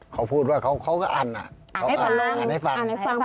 เขาพูดว่าเขาก็อ่านอันให้ฟัง